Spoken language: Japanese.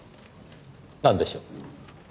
なんでしょう？